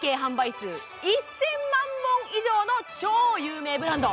数１０００万本以上の超有名ブランド。